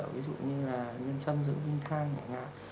ví dụ như là nhân sâm dưỡng vinh thang nhẹ nhàng